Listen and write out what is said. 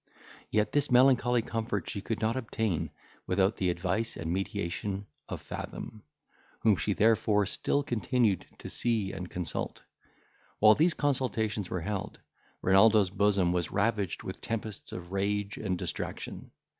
Yet this melancholy comfort she could not obtain without the advice and mediation of Fathom, whom she therefore still continued to see and consult. While these consultations were held, Renaldo's bosom was ravaged with tempests of rage and distraction.